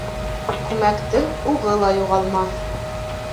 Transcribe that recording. Күмәктең уғы ла юғалмаҫ.